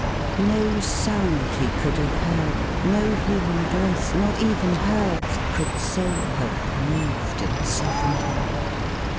No sound he could have heard; no human voice, not even her's; could so have moved and softened him.